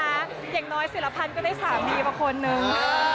อย่างน้อยสิรภัณฑ์ก็ได้สามีประควรหนึ่ง